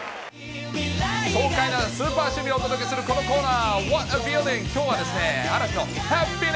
スーパー守備をお届けする、このコーナー。